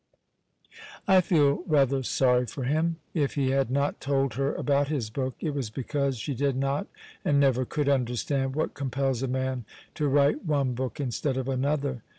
I feel rather sorry for him. If he had not told her about his book it was because she did not and never could understand what compels a man to write one book instead of another.